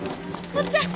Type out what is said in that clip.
おっちゃん